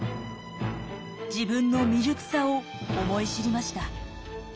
自分の未熟さを思い知りました。